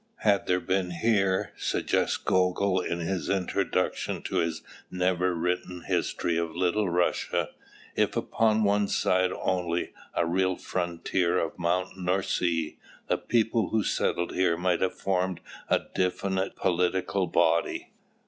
Had there been here, suggests Gogol in his introduction to his never written history of Little Russia, if upon one side only, a real frontier of mountain or sea, the people who settled here might have formed a definite political body.